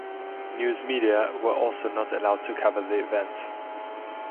News media were also not allowed to cover the event.